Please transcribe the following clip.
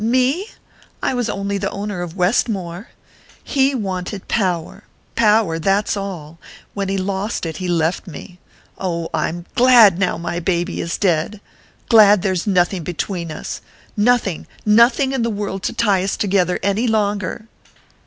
Me? I was only the owner of Westmore! He wanted power power, that's all when he lost it he left me...oh, I'm glad now my baby is dead! Glad there's nothing between us nothing, nothing in the world to tie us together any longer!"